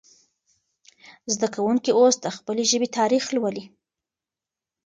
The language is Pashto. زده کوونکي اوس د خپلې ژبې تاریخ لولي.